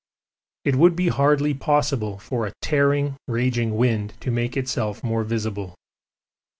It would be hardly possible for a tearing, raging wind to make itself more visible.